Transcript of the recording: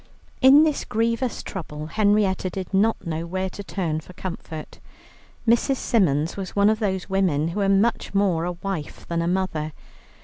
In this grievous trouble Henrietta did not know where to turn for comfort. Mrs. Symons was one of those women who are much more a wife than a mother.